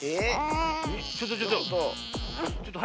ちょっとちょっと。